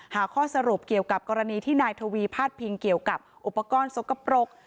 หาข้อสรุปเกี่ยวกับกรณีที่นายทวีพาดพิงเกี่ยวกับอุปกรณ์สกปรก